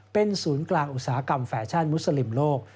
เป็นศูนย์กลางอุตสาหกรรมแฟชั่นมุสลิมโลก